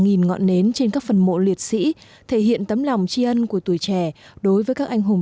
nghìn ngọn nến trên các phần mộ liệt sĩ thể hiện tấm lòng tri ân của tuổi trẻ đối với các anh hùng